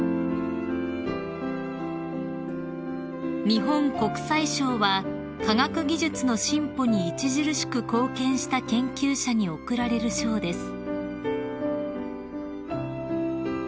［日本国際賞は科学技術の進歩に著しく貢献した研究者に贈られる賞です］